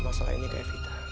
masalah ini ke evita